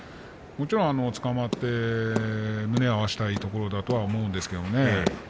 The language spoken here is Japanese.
もちろんつかまえて胸を合わせたいところだと思います。